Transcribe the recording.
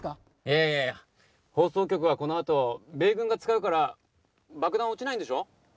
いやいやいや放送局はこのあと米軍が使うから爆弾落ちないんでしょ？